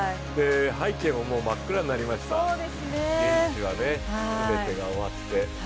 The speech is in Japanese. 背景は真っ暗になりました、現地は全てが終わって。